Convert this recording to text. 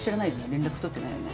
連絡取ってないよね？